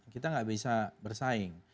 kita tidak bisa bersaing